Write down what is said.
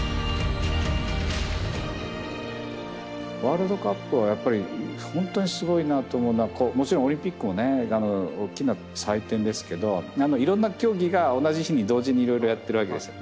ワールドカップはやっぱり本当にすごいなと思うのはもちろんオリンピックもね大きな祭典ですけどいろんな競技が同じ日に同時にいろいろやってるわけですよ。